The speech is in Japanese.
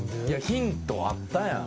ヒントあったやん。